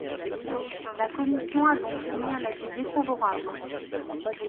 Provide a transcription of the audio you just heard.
La commission a donc émis un avis défavorable.